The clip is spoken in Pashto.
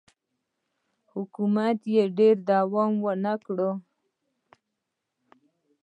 حکومت یې ډېر دوام ونه کړ